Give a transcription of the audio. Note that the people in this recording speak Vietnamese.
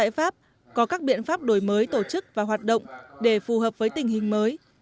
có các biện pháp đổi mới tổ chức và hoạt động để phù hợp với tình hình mới